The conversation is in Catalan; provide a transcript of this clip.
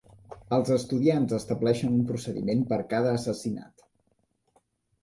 Els estudiants estableixen un procediment per cada assassinat.